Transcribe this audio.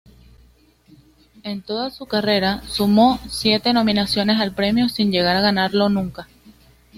En toda su carrera, sumó siete nominaciones al premio, sin llegar a ganarlo nunca.